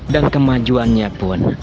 dan kemajuannya pun